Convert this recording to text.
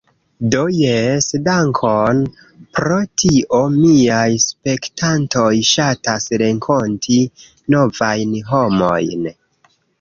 Do, jes dankon pro tio. Miaj spektantoj ŝatas renkonti novajn homojn